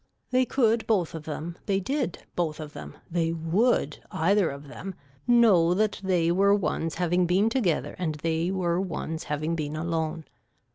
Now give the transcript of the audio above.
They could both of them, they did, both of them, they would, either of them, know that they were ones having been together and they were ones having been alone.